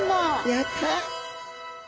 やった！